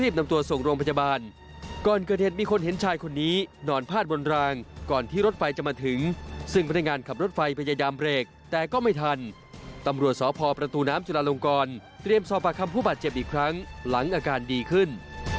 ประคำผู้บาดเจ็บอีกครั้งหลังอาการดีขึ้น